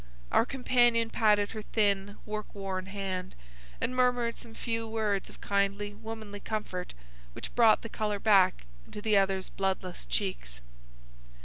Our companion patted her thin, work worn hand, and murmured some few words of kindly womanly comfort which brought the colour back into the other's bloodless cheeks.